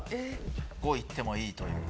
５行ってもいい！という。